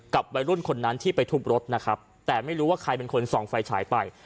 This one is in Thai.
วัยรุ่นคนนั้นที่ไปทุบรถนะครับแต่ไม่รู้ว่าใครเป็นคนส่องไฟฉายไป